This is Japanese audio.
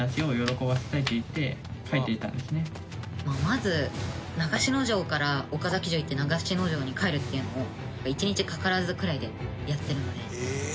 まず長篠城から岡崎城行って長篠城に帰るっていうのを１日かからずくらいでやってるので。